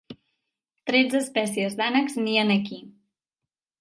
Tretze espècies d'ànecs nien aquí.